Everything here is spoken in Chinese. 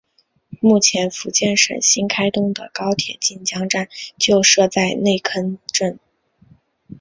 目前福建省新开通的高铁晋江站就设在内坑镇。